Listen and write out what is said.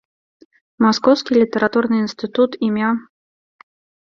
Маскоўскі літаратурны інстытут ім.